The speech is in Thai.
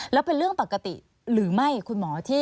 แล้วเป็นเรื่องปกติหรือไม่คุณหมอที่